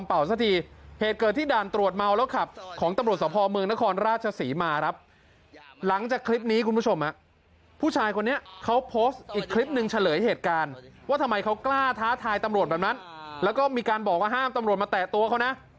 แล้วก็มีการบอกว่าห้ามตำรวจม้าแตะตัวเขานะ